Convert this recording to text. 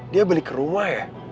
dia beli ke rumah ya